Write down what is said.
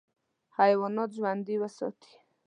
حیوانات ژوندي وساتې.